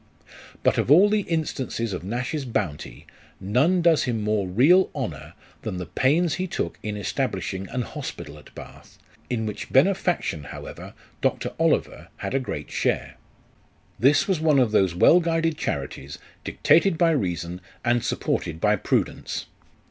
But of all the instances of Nash's bounty, none does him more real honour than the pains he took in establishing an hospital at Bath, in which benefaction, however, Dr. Oliver had a great share. This was one of those well guided charities, dictated by reason, and supported by prudence.